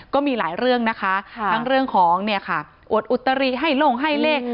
ก็มีหลายเรื่องนะคะทั้งเรื่องของเนี่ยค่ะอวดอุตรีให้ลงให้เลข